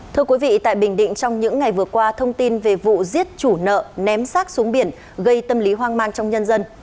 thưa quý vị tại bình định trong những ngày vừa qua thông tin về vụ giết chủ nợ ném sát xuống biển gây tâm lý hoang mang trong nhân dân